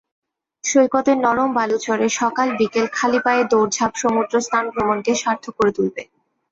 সৈকতের নরম বালুচরে সকাল-বিকেল খালি পায়ে দৌড়ঝাঁপ সমুদ্রস্নান ভ্রমণকে সার্থক করে তুলবে।